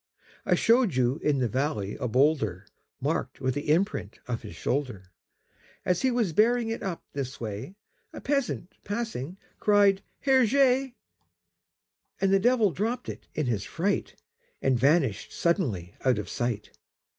I showed you in the valley a boulderMarked with the imprint of his shoulder; As he was bearing it up this way,A peasant, passing, cried, "Herr Jé!"And the Devil dropped it in his fright, And vanished suddenly out of sight!